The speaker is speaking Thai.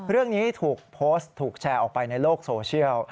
เรื่องนี้ถูกโพสต์ถูกแชร์ออกไปในโลกโซเชียล